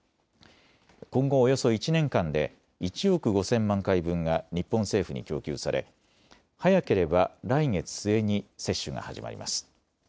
今後、およそ１年間で１億５０００万回分が日本政府に供給され、早ければ来月末に接種が始まります。